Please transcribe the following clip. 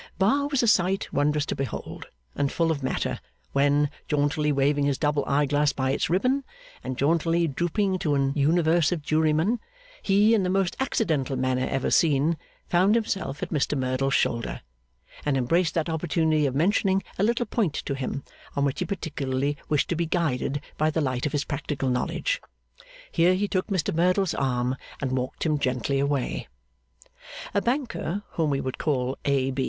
Bar was a sight wondrous to behold, and full of matter, when, jauntily waving his double eye glass by its ribbon, and jauntily drooping to an Universe of Jurymen, he, in the most accidental manner ever seen, found himself at Mr Merdle's shoulder, and embraced that opportunity of mentioning a little point to him, on which he particularly wished to be guided by the light of his practical knowledge. (Here he took Mr Merdle's arm and walked him gently away.) A banker, whom we would call A.